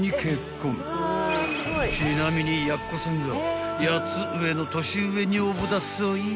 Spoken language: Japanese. ［ちなみにやっこさんが８つ上の年上女房だそうよ］